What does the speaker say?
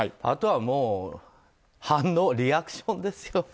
あとはもう反応リアクションですよ。